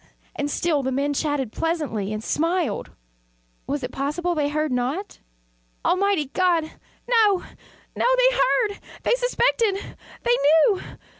And still the men chatted pleasantly, and smiled. Was it possible they heard not? Almighty God! no, no! They heard! they suspected! they knew!